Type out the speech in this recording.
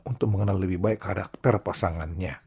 untuk mengenal lebih baik karakter pasangannya